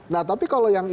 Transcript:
nah tapi kalau yang ini